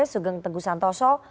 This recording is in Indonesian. sugeng teguh santoso